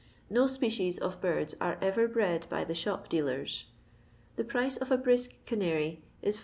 No ipedef of birdi are ever bred by the tbop deelen. The price of a briik eanary ia 6«.